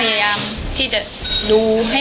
สวัสดีครับทุกคน